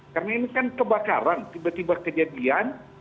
karena ini kan kebakaran tiba tiba kejadian